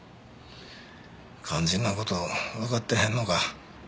肝心な事わかってへんのか。